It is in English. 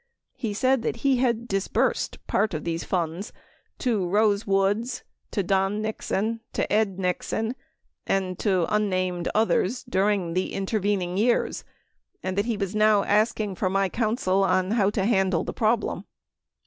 He said that he had disbursed part of the funds to Rose Woods, to Don Nixon, to Ed Nixon and to unnamed others during the intervening years, and that he was now asking for my counsel on how to handle the problem.